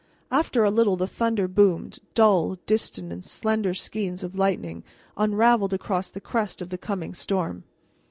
After a little the thunder boomed, dull, distant, and slender skeins of lightning unraveled across the crest of the coming storm.